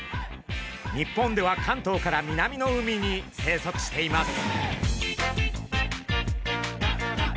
日本では関東から南の海に生息しています。